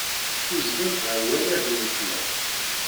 Uzzlent ɣer wannag n ufella.